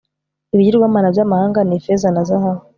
ibigirwamana by'amahanga ni feza na zahabu